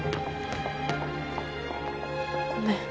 ごめん。